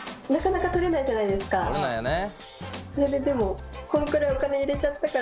取れないよね。